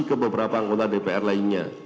ke beberapa anggota dpr lainnya